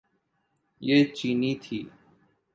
یہ چینی تھے۔